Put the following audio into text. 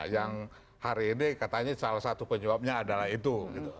yang hari ini katanya salah satu penyebabnya adalah itu